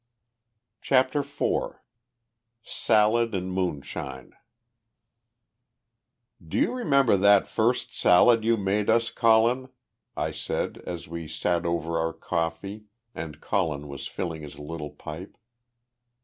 CHAPTER IV SALAD AND MOONSHINE "Do you remember that first salad you made us, Colin?" I said, as we sat over our coffee, and Colin was filling his little pipe.